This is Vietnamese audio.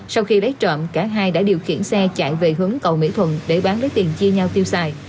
sau khi lấy trộm cả hai đã điều khiển xe chạy về hướng cầu mỹ thuận để bán lấy tiền chia nhau tiêu xài